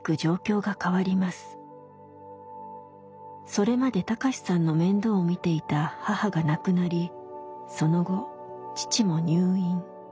それまで貴志さんの面倒を見ていた母が亡くなりその後父も入院。